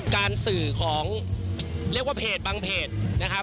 การสื่อของเรียกว่าเพจบางเพจนะครับ